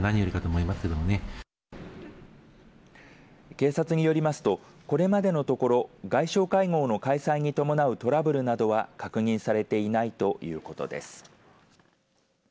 警察によりますとこれまでのところ外相会合の開催に伴うトラブルなどは確認されていないということです。